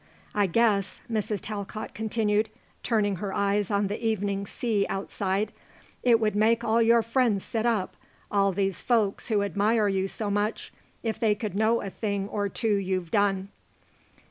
I guess," Mrs. Talcott continued, turning her eyes on the evening sea outside, "it would make your friends sit up all these folks who admire you so much if they could know a thing or two you've done."